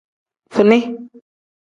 Fini.